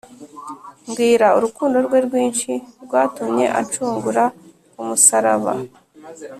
Mbwira urukundo rwe rwinshi rwatumye anshungura ku musaraba